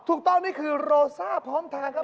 ถูกต้องนี่คือโรซ่าพร้อมทางครับ